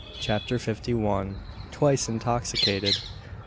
CHAPTER FIFTY ONE. TWICE INTOXICATED.